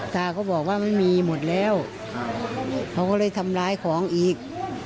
ตาก็บอกว่าไม่มีหมดแล้วเขาก็เลยทำร้ายของอีก